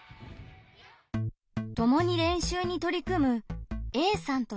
ともに練習に取り組むＡさんとＢさん。